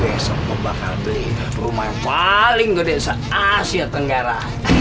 besok gua bakal beli rumah yang paling gede se asia tenggara